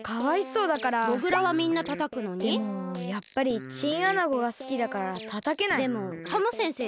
うんやっぱりチンアナゴがすきだからたたけない。